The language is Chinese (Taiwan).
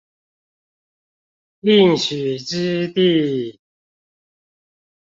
應許之地